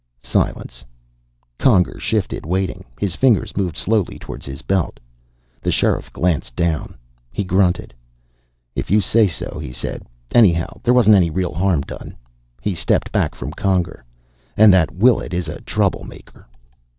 Silence. Conger shifted, waiting. His fingers moved slowly toward his belt. The Sheriff glanced down. He grunted. "If you say so," he said. "Anyhow, there wasn't any real harm done." He stepped back from Conger. "And that Willet is a trouble maker."